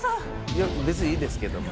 いや、別にいいですけども。